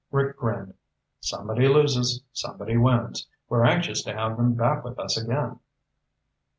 Rick grinned. "Somebody loses, somebody wins. We're anxious to have them back with us again."